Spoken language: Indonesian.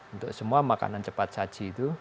untuk semua makanan cepat saji itu